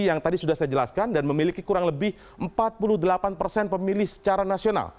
yang tadi sudah saya jelaskan dan memiliki kurang lebih empat puluh delapan persen pemilih secara nasional